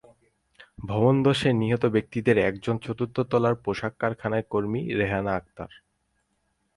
ভবন ধসে নিহত ব্যক্তিদের একজন চতুর্থ তলার পোশাক কারখানার কর্মী রেহানা আক্তার।